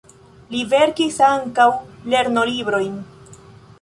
Li verkis ankaŭ lernolibrojn.